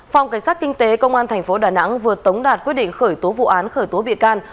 phòng cảnh sát kinh tế công an tp đà nẵng vừa tống đạt quyết định khởi tố vụ án khởi tố bị can